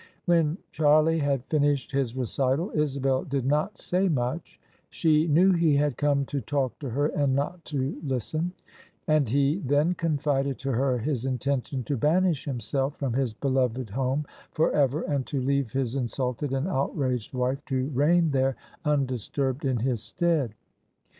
When Charlie had finished his recital Isabel did not say much : she knew he had come to talk to her and not to listen : and he then confided to her his intention to banish himself from his beloved home for ever and to leave his insulted and outraged wife to reign there undisturbed in his stead.